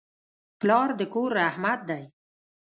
پلار د کور رحمت دی.